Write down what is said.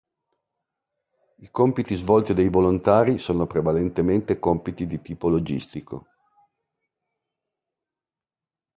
I compiti svolti dai volontari sono prevalentemente compiti di tipo logistico.